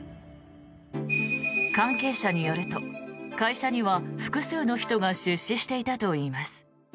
関係者によると、会社には複数の人が出資していたといいます。